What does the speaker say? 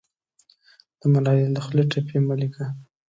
د ملالۍ له خولې ټپې مه لیکه